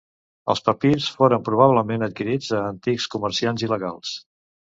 Els papirs foren probablement adquirits a antics comerciants il·legals.